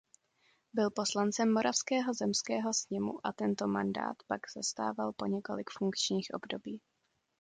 Byl poslancem Moravského zemského sněmu a tento mandát pak zastával po několik funkčních období.